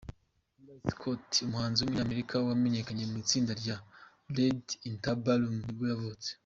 Hillary Scott, umuhanzi w’umunyamerika wamenyekanye mu itsinda rya Lady Antebellum nibwo yavutse.